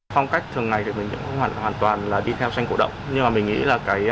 phong cách thường này thì mình cũng hoàn toàn là đi theo tranh cổ động nhưng mà mình nghĩ là cái